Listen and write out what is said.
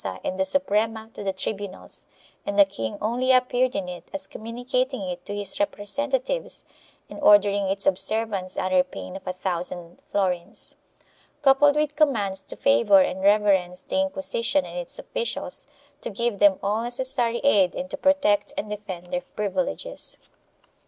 IV] VALENCIA 443 and the Suprema to the tribunals, and the king only appeared in it as communicating it to his representatives and ordering its observance under pain of a thousand florins, coupled with commands to favor and reverence the Inquisition and its officials, to give them all necessary aid and to protect and defend their privileges.